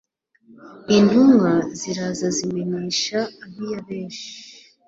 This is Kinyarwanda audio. intumwa ziraza zibimenyesha ab'i yabeshi